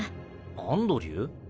アンドリュー？